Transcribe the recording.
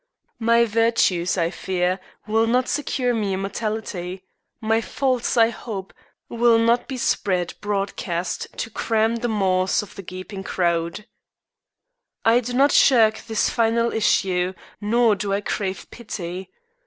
My virtues, I fear, will not secure me immortality; my faults, I hope, will not be spread broadcast to cram the maws of the gaping crowd. I do not shirk this final issue, nor do I crave pity.